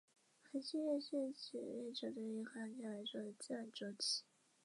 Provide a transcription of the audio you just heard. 恒星月是指月球对于一颗恒星来说的自转周期。